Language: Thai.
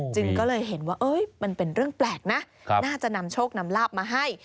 จึงก็เลยเห็นว่ามันเป็นเรื่องแปลกนะน่าจะนำโชคนำลาบมาให้